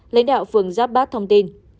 lãnh đạo phường giáp bát thông tin